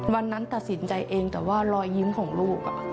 วันนั้นตัดสินใจเองแต่ว่ารอยยิ้มของลูก